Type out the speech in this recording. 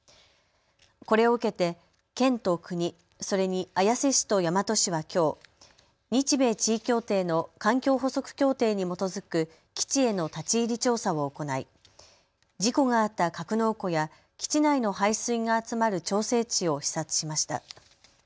これを受けて県と国、それに綾瀬市と大和市はきょう日米地位協定の環境補足協定に基づく基地への立ち入り調査を行い、事故があった格納庫や基地内の排水が集まる調整池を視察しました。